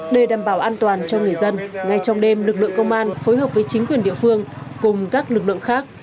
để đảm bảo an toàn cho người dân ngay trong đêm lực lượng công an phối hợp với chính quyền địa phương cùng các lực lượng khác